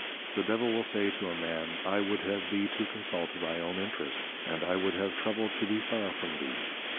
_ The Devil will say to a man, _I would have thee to Consult thy own Interest, and I would have Trouble to be far from thee.